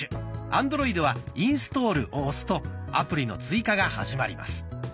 アンドロイドは「インストール」を押すとアプリの追加が始まります。